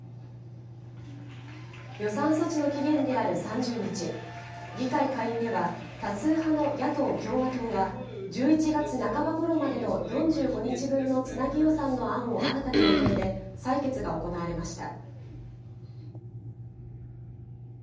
予算措置の期限である３０日、議会下院では、多数派の野党・共和党が１１月半ばごろまでの４５日分のつなぎ予算の案を新たにまとめて採決が行われました。